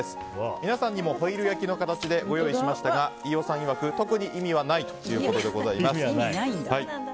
皆さんにもホイル焼きの形でご用意しましたが飯尾さんいわく特に意味はないということです。